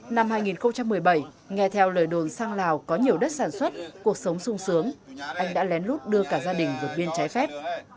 năm hai nghìn một mươi bảy nghe theo lời đồn sang lào có nhiều đất sản xuất cuộc sống sung sướng anh đã lén lút đưa cả gia đình vượt biên trái phép